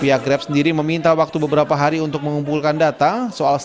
pihak grep sendiri meminta waktu beberapa hari untuk kembali ke tempat yang berakhir